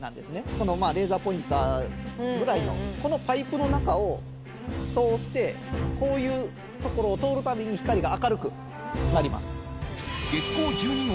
このレーザーポインターぐらいのこのパイプの中を通してこういう所を通るたびに光が明るくなります